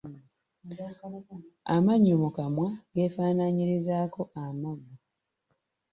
Amannyo mu kamwa geefaanaanyirizaako amaggwa.